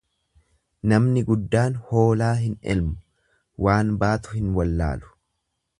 Namni guddaan hoolaa hin elmu, waan baatu hin wallaalu.